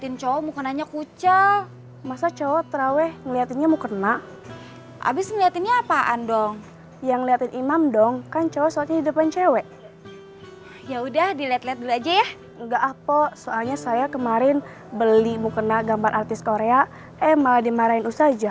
ngeliatin cowok mukenanya kucel masa cowok traweh ngeliatinnya mukena abis ngeliatinnya apaan dong yang liatin imam dong kan cowok soalnya di depan cewek ya udah dilihat lihat dulu aja ya nggak apa soalnya saya kemarin beli mukena gambar artis korea eh malah dimarahin usah aja